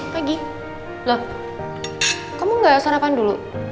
pagi loh kamu gak sarapan dulu